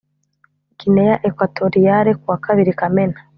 Gineya Ekwatoriyale ku wa kabiri Kamena